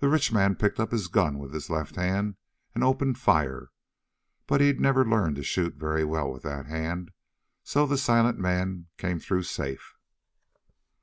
The rich man picked up his gun with his left hand and opened fire, but he'd never learned to shoot very well with that hand, so the silent man came through safe."